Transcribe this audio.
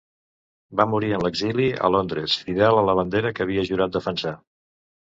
Va morir en l'exili, a Londres, fidel a la bandera que havia jurat defensar.